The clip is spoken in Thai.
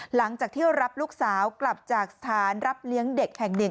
หลังจากเที่ยวรับลูกสาวกลับจากสถานรับเลี้ยงเด็กแห่งหนึ่ง